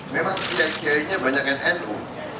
memang kiai kiai nya banyaknya nu